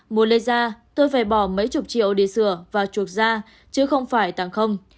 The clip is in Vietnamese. muốn lấy ra tôi phải bỏ mấy chục triệu để sửa và chuột ra chứ không phải tặng không